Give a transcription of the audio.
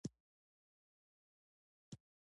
خاوره د افغانستان د صنعت لپاره ګټور مواد برابروي.